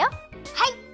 はい！